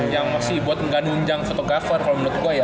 yang masih buat nggak nunjang fotografer kalau menurut gue ya